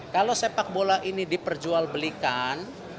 kalau sepak bola ini diperjualbelikan